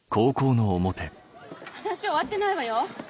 話終わってないわよ